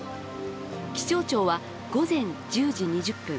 気象庁は午前１０時２０分